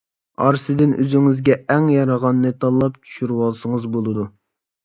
ئارىسىدىن ئۆزىڭىزگە ئەڭ يارىغاننى تاللاپ چۈشۈرۈۋالسىڭىز بولىدۇ.